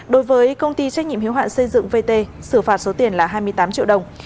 đối với công ty trách nhiệm hiếu hạn xây dựng vt xử phạt số tiền là hai mươi tám triệu đồng